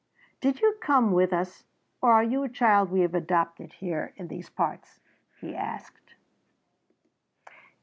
"Did you come with us or are you a child we have adopted here in these parts?" he asked.